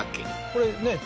これねえ